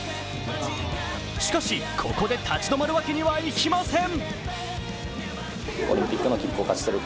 しかし、ここで立ち止まるわけにはいきません。